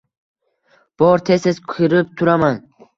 -Bor. Tez-tez kirib turaman.